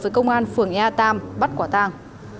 với công an phường ea tam bắt quả tàng